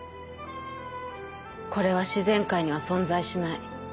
これは自然界には存在しない。